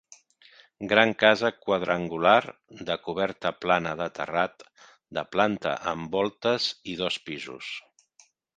Gran casa quadrangular, de coberta plana de terrat, de planta amb voltes i dos pisos.